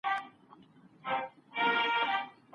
ایا موږ به هلته ډېري مڼې راوړو؟